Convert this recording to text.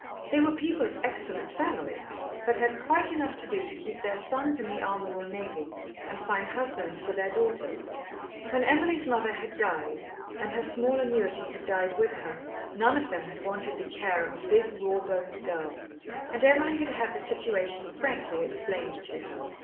They were people of excellent family, but had quite enough to do to keep their sons in the army or navy and find husbands for their daughters. When Emily's mother had died and her small annuity had died with her, none of them had wanted the care of a big raw boned girl, and Emily had had the situation frankly explained to her.